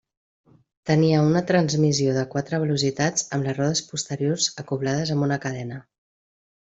Tenia una transmissió de quatre velocitats amb les rodes posteriors acoblades amb una cadena.